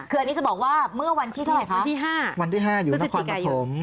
คืออันนี้จะบอกว่าเมื่อวันที่เธอวันที่ห้าวันที่ห้าวันที่ห้าอยู่นครปฐม